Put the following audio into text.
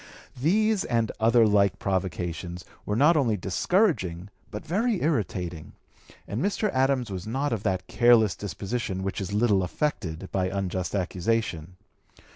These and other like provocations were not only discouraging but very irritating, and Mr. Adams was not of that careless disposition which is little affected by unjust accusation.